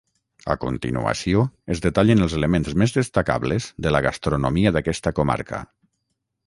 A continuació es detallen els elements més destacables de la gastronomia d'aquesta comarca.